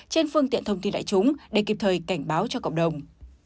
trên phương tiện thông tin đại chúng để kịp thời cảnh báo cho cộng đồng